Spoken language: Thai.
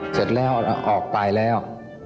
เสร็จแล้วออกตายแล้ว